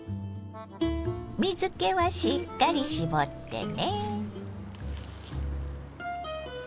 水けはしっかり絞ってね。